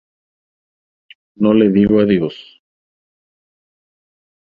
No le digo adiós.